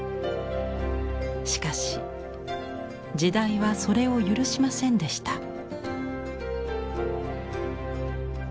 しかし時代はそれを許しませんでした。